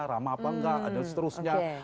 ramah apa enggak dan seterusnya